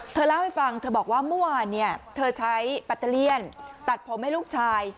เธอเล่าให้ฟังเธอบอกว่าเมื่อวานเนี่ยเธอใช้ปัตเตอร์เลี่ยนตัดผมให้ลูกชาย